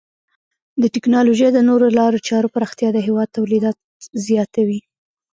د ټکنالوژۍ د نوو لارو چارو پراختیا د هیواد تولیداتو زیاتوي.